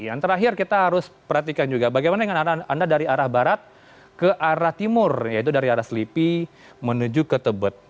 yang terakhir kita harus perhatikan juga bagaimana dengan anda dari arah barat ke arah timur yaitu dari arah selipi menuju ke tebet